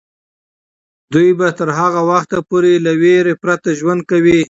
دوی به تر هغه وخته پورې له ویرې پرته ژوند کوي.